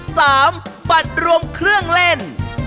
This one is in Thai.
บัตรรวมเครื่องเล่น